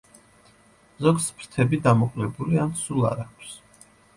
ზოგს ფრთები დამოკლებული ან სულ არ აქვს.